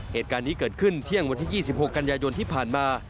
เหตุการณ์นี้เกิดขึ้นเที่ยงวันที่๒๖กันยายนที่ผ่านมา